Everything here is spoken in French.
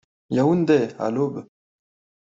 Yaoundé, à l’aube.